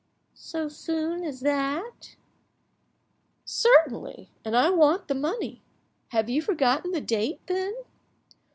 "So soon as that?" "Certainly, and I want the money. Have you forgotten the date, then?"